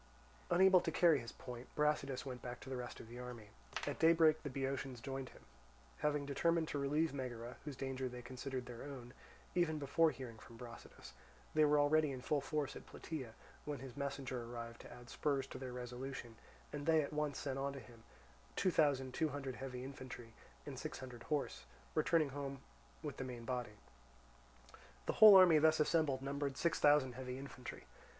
Unable to carry his point, Brasidas went back to the rest of the army. At daybreak the Boeotians joined him. Having determined to relieve Megara, whose danger they considered their own, even before hearing from Brasidas, they were already in full force at Plataea, when his messenger arrived to add spurs to their resolution; and they at once sent on to him two thousand two hundred heavy infantry, and six hundred horse, returning home with the main body. The whole army thus assembled numbered six thousand heavy infantry.